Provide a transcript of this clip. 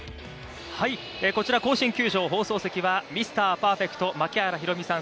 こちら甲子園球場、放送席はミスターパーフェクト、槙原寛己さん。